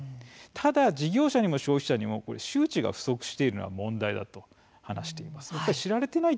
ただ事業者にも消費者にも周知が不足しているのは問題だと話しています。